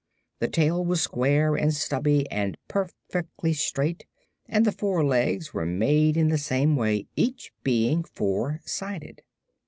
The tail was square and stubby and perfectly straight, and the four legs were made in the same way, each being four sided.